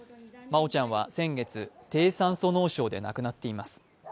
真愛ちゃんは先月、低酸素脳症で亡くなっています。